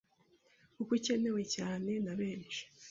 kuko ikenewe cyane na benshi